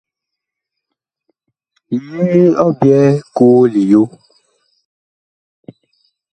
Yee ɔ byɛɛ ma koo liyo ?